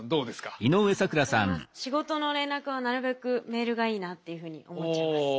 仕事の連絡はなるべくメールがいいなっていうふうに思っちゃいます。